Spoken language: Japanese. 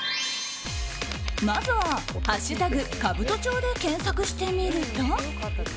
まずは「＃兜町」で検索してみると。